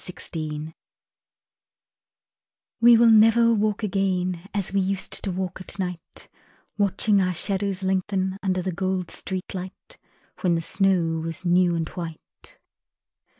Nightfall We will never walk again As we used to walk at night, Watching our shadows lengthen Under the gold street light When the snow was new and white.